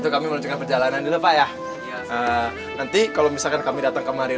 kami melanjutkan perjalanan dulu pak ya nanti kalau misalkan kami datang kemari